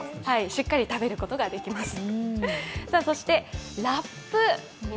しっかり食べることができます。